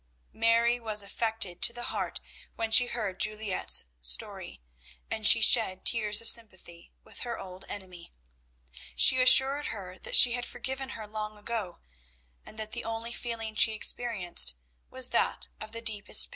Mary was affected to the heart when she heard Juliette's story, and she shed tears of sympathy with her old enemy. She assured her that she had forgiven her long ago, and that the only feeling she experienced was that of the deepest pity for her.